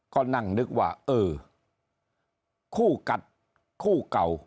ก็นั่งนึกว่าเออคู่กัดคู่เก่า